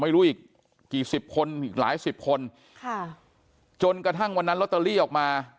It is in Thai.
ไม่รู้อีกกี่สิบคนอีกหลายสิบคนค่ะจนกระทั่งวันนั้นลอตเตอรี่ออกมา